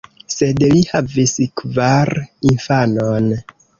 Sed li havis kvar infanon.